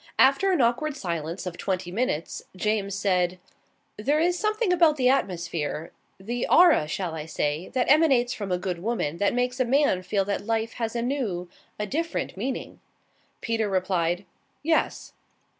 After an awkward silence of twenty minutes, James said: "There is something about the atmosphere the aura, shall I say? that emanates from a good woman that makes a man feel that life has a new, a different meaning." Peter replied: "Yes."